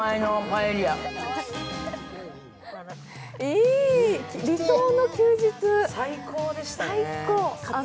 いい！理想の休日、最高。